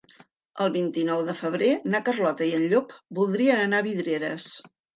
El vint-i-nou de febrer na Carlota i en Llop voldrien anar a Vidreres.